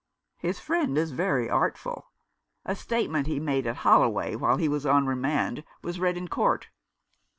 " His friend is very artful. A statement he made at Holloway while he was on remand was read in court.